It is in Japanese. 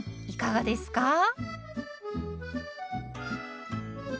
いかがですか？